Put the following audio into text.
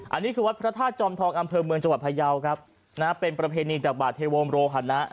อันนี้คือวัดพระธาตุจอมทองอำเภอเมืองจังหวัดพยาวครับนะเป็นประเพณีจากบาทเทโวมโรหนะ